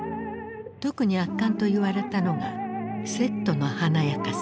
特に圧巻と言われたのがセットの華やかさ。